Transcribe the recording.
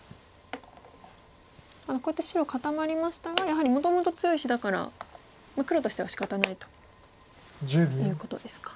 こうやって白固まりましたがやはりもともと強い石だから黒としてはしかたないということですか。